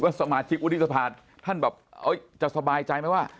ผมว่าสมาชิกอุติสภาพท่านจะสบายใจไหมว่า